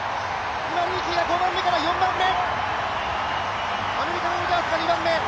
今、リーキが４番目から５番目。